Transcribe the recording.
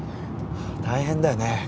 大変だよね